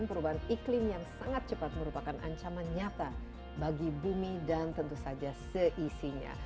perubahan iklim yang sangat cepat merupakan ancaman nyata bagi bumi dan tentu saja seisinya